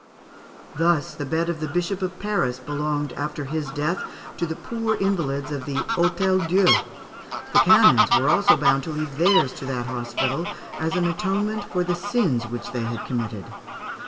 Thus the bed of the Bishop of Paris belonged, after his death, to the poor invalids of the Hôtel Dieu. The canons were also bound to leave theirs to that hospital, as an atonement for the sins which they had committed.